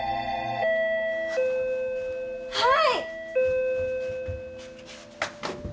はい！